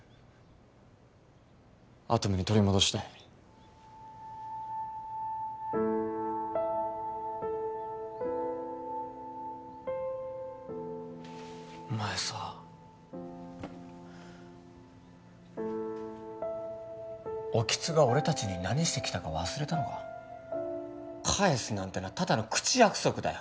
アトムに取り戻したいお前さ興津が俺達に何してきたか忘れたのか返すなんてのはただの口約束だよ